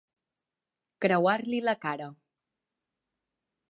Creuar-li la cara.